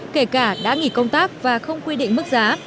kể cả đã nghỉ công tác và không quy định mức giá